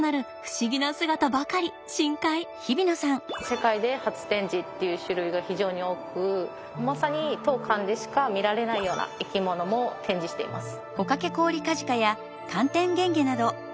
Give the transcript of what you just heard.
世界で初展示っていう種類が非常に多くまさに当館でしか見られないような生き物も展示しています。